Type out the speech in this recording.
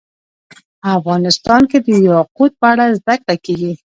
افغانستان کې د یاقوت په اړه زده کړه کېږي.